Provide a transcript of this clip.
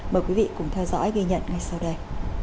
mời quý vị cùng theo dõi ghi nhận ngay sau đây